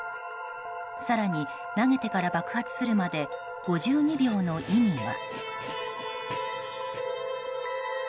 更に投げてから爆発するまで５２秒の意味は？